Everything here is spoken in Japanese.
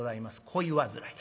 「恋煩い」。